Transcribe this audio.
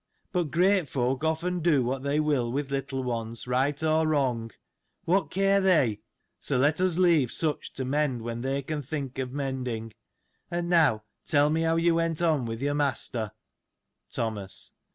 But great folk often do what they will with little ones, right or wrong : What care they ? So, let us leave* such to mend when they can think of mending. And now tell me how went you on with your master. Thomas.